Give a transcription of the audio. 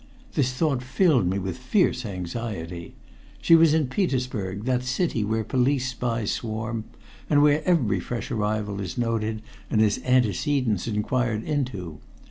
This thought filled me with fierce anxiety. She was in Petersburg, that city where police spies swarm, and where every fresh arrival is noted and his antecedents inquired into.